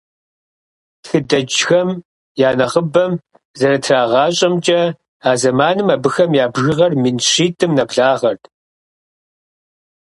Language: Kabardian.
Тхыдэджхэм я нэхъыбэм зэрытрагъащӏэмкӏэ, а зэманым абыхэм я бжыгъэр мин щитӏым нэблагъэрт.